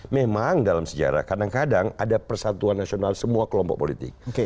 memang dalam sejarah kadang kadang ada persatuan nasional semua kelompok politik